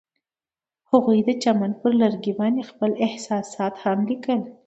هغوی د چمن پر لرګي باندې خپل احساسات هم لیکل.